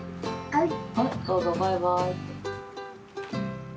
はい。